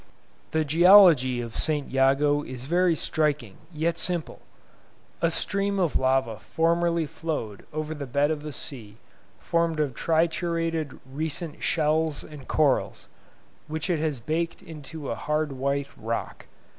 The geology of St. Jago is very striking, yet simple: a stream of lava formerly flowed over the bed of the sea, formed of triturated recent shells and corals, which it has baked into a hard white rock.